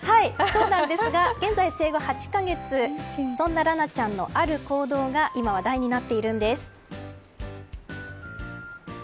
そうなんですが、現在生後８カ月、そんな蘭愛ちゃんのある行動が今話題になっているんです。